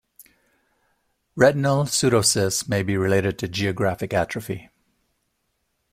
Retinal pseudocysts may be related to geographic atrophy.